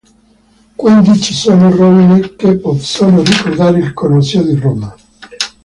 Quindi ci sono rovine che possono ricordare il Colosseo di Roma.